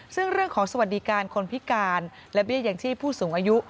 ซึ่งเรื่องของสวัสดิการคนพิการและเบี้ยอย่างชีพผู้สูงอายุ